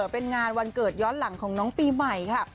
เป็นงานวันเกิดย้อนหลังของน้องปีใหม่ค่ะ